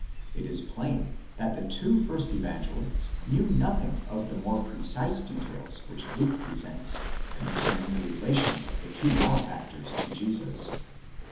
It is plain that the two first Evangelists knew nothing of the more precise details which Luke presents concerning the relation of the two malefactors to Jesus.